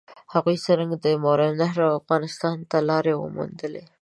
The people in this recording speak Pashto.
هغوی څرنګه ماورالنهر او افغانستان ته لارې وموندلې؟